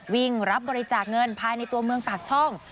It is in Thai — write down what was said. วิ่งรับบริจาคเงินภายในตัวเมืองปากช่อง